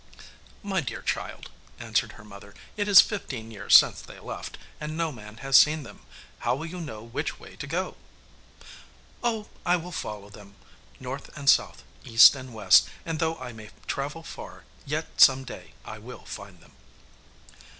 'My dear child,' answered her mother, 'it is fifteen years since they left, and no man has seen them. How will you know which way to go?' 'Oh, I will follow them, north and south, east and west, and though I may travel far, yet some day I will find them.